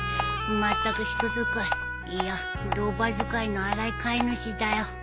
まったく人使いいいやロバ使いの荒い飼い主だよ。